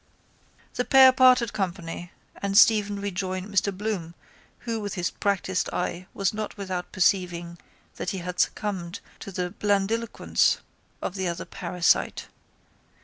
The pair parted company and Stephen rejoined Mr Bloom who, with his practised eye, was not without perceiving that he had succumbed to the blandiloquence of the other parasite.